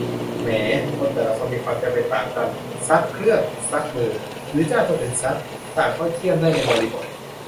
แหม คนแต่ละคนมีความจำเป็นต่างกัน ซักเครื่อง ซักมือ หรือจ้างคนอื่นซัก ต่างก็ 'เยี่ยม' ได้ในบริบท